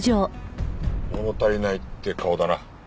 物足りないって顔だな。